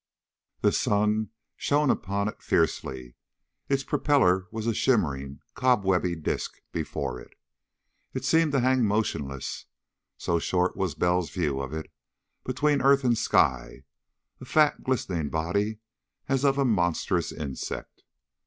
The sun shone upon it fiercely. Its propeller was a shimmering, cobwebby disk before it. It seemed to hang motionless so short was Bell's view of it between earth and sky: a fat glistening body as of a monstrous insect.